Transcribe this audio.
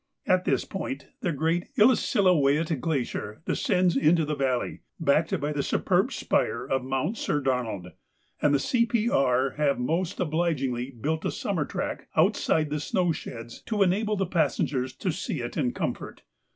At this point the great Illecillewaet glacier descends into the valley, backed by the superb spire of Mount Sir Donald, and the C.P.R. have most obligingly built a summer track outside the snow sheds to enable the passengers to see it in comfort.